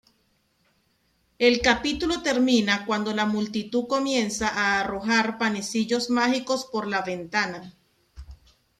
El capítulo termina cuando la multitud comienza a arrojar panecillos mágicos por la ventana.